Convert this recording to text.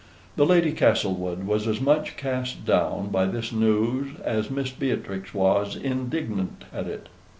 The Lady Castlewood was as much cast down by this news as Miss Beatrix was indignant at it.